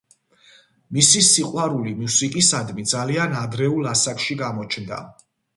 მისი სიყვარული მუსიკისადმი ძალიან ადრეულ ასაკში გამოჩნდა.